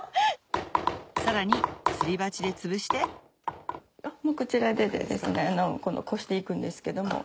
さらにすり鉢でつぶしてもうこちらで今度こしていくんですけども。